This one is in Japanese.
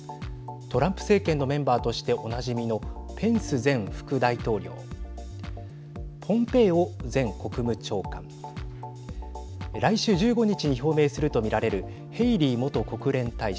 トランプ政権のメンバーとしておなじみのペンス前副大統領ポンペイオ前国務長官来週１５日に表明すると見られるヘイリー元国連大使。